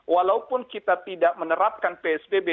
walaupun kita tidak menerapkan psbb